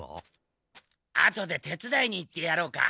後で手つだいに行ってやろうか。